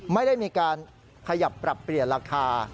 ไม่ได้มีการขยับปรับเปลี่ยนราคา